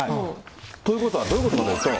ということはどういうことかというと。